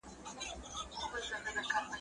o چي د اباسين اوبه غواړي، تږی نه دئ.